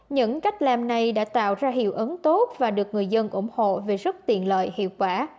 những cách làm này đã tạo ra hiệu ứng tốt và được người dân ủng hộ về rất tiện lợi hiệu quả